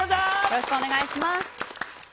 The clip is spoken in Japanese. よろしくお願いします。